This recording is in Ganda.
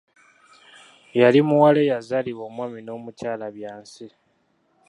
Yali muwala eyazaalibwa omwami n'omukyala Byansi.